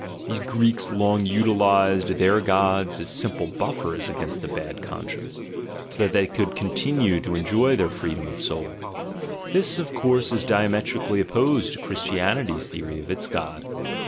These Greeks long utilised their gods as simple buffers against the "bad conscience"— so that they could continue to enjoy their freedom of soul: this, of course, is diametrically opposed to Christianity's theory of its god.